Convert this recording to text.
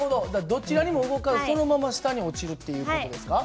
どちらにも動かずそのまま下に落ちるっていう事ですか？